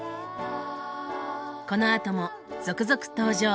このあとも続々登場。